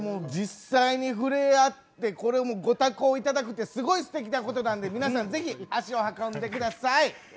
実際に触れ合ってご多幸をいただくってすごいすてきなことなんで皆さん、ぜひ足を運んでください。